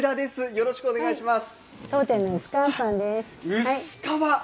よろしくお願いします。